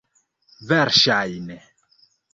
Verŝajne.